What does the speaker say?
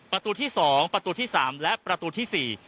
ประตูที่๒ประตูที่๓และประตูที่๔